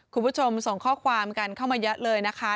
คุณผู้ชมส่งข้อความกันเข้ามาเยอะเลยนะคะ